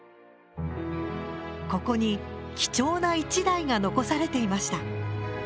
ここに貴重な一台が残されていました。